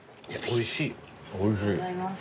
おいしい。